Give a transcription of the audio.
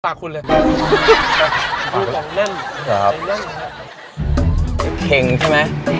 ฝากคุณเลย